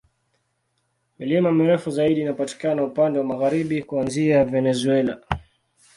Milima mirefu zaidi inapatikana upande wa magharibi, kuanzia Venezuela.